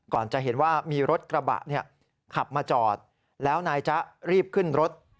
จะเห็นว่ามีรถกระบะขับมาจอดแล้วนายจ๊ะรีบขึ้นรถ